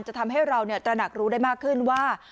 จะทำให้เราตระหนักรู้ได้มากขึ้นว่า